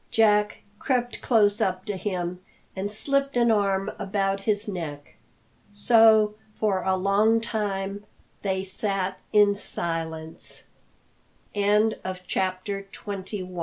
Jack crept close up to him and slipped an arm about his neck. So, for a long time, they sat in silence. CHAPTER XXII. A REPORT FROM THE SEA.